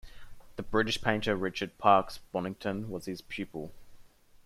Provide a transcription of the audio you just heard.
The British painter Richard Parkes Bonington was his pupil.